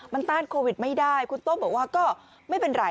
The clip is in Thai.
มันต้านโควิดไม่ได้คุณโต้บอกว่าก็ไม่เป็นไร